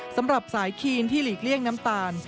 สำหรับสายคีนที่หลีกเลี่ยงน้ำตาล